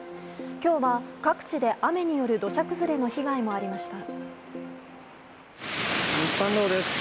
今日は各地で雨による土砂崩れの被害もありました。